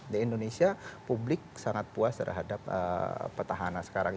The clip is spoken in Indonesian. di indonesia publik sangat puas terhadap petahana sekarang